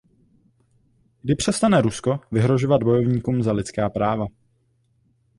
Kdy přestane Rusko vyhrožovat bojovníkům za lidská práva?